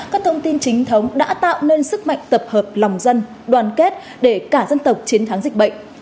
các thông tin chính thống đã tạo nên sức mạnh tập hợp lòng dân đoàn kết để cả dân tộc chiến thắng dịch bệnh